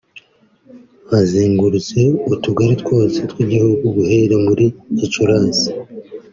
Bazengurutse utugari twose tw’igihugu guhera muri Gicurasi